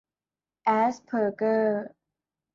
แอสเพอร์เกอร์